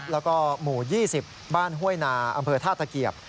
แล้วก็หมู่๒๐บ้านห้วยนาอำเภอท่าตะเกียบ